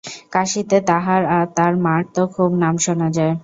কাশীতে তাঁহার আর তাঁর মার তো খুব নাম শোনা যায়।